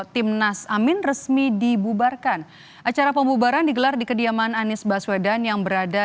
timnas amin resmi dibubarkan acara pembubaran digelar di kediaman anies baswedan yang berada